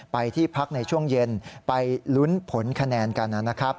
ไปที่พักในช่วงเย็นไปลุ้นผลคะแนนกันนะครับ